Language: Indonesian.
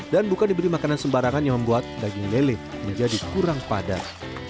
bukan diberi makanan sembarangan yang membuat daging lele menjadi kurang padat